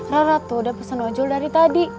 rara tuh udah pesan ojol dari tadi